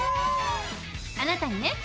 あなたにね